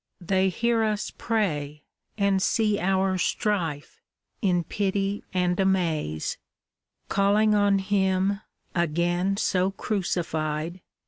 They hear us pray. And see our strife, in pity and amaze ; Calling on Him, again so crucified.